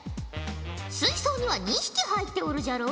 水槽には２匹入っておるじゃろう。